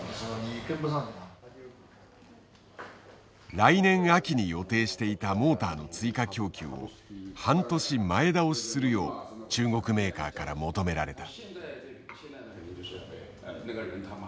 来年秋に予定していたモーターの追加供給を半年前倒しするよう中国メーカーから求められた。